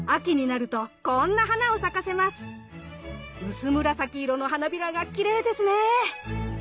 薄紫色の花びらがきれいですね！